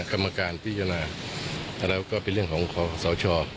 กรรมการพิจารณาแล้วก็เป็นเรื่องของขอสช